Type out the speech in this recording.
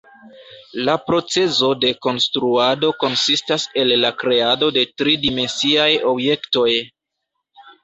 La procezo de konstruado konsistas el la kreado de tri-dimensiaj objektoj.